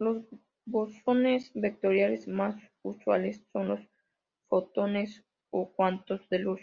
Los bosones vectoriales más usuales son los fotones o cuantos de luz.